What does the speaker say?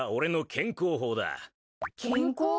健康法？